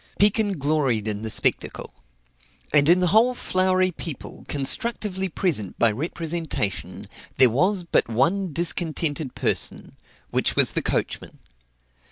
Pekin gloried in the spectacle; and in the whole flowery people, constructively present by representation, there was but one discontented person, which was the coachman.